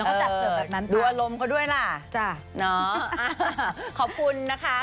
เราก็จัดเกิดแบบนั้นดัวลมเขาด้วยล่ะจ้ะเนาะขอบคุณนะคะ